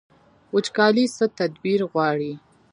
وچکالي څه تدبیر غواړي؟